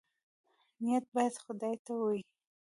نیت باید خدای ته وي